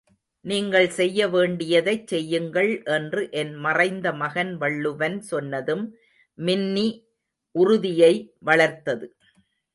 நீங்கள் செய்ய வேண்டியதைச் செய்யுங்கள் என்று, என் மறைந்த மகன் வள்ளுவன் சொன்னதும் மின்னி, உறுதியை வளர்த்தது.